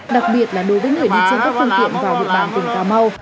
đặc biệt là đối với người đi trên các phương tiện vào địa bàn tỉnh cà mau